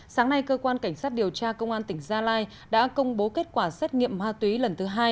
sáng nay cơ quan cảnh sát điều tra công an tỉnh gia lai đã công bố kết quả xét nghiệm ma túy lần thứ hai